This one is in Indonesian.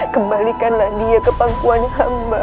kembalikanlah dia ke pangkuannya hamba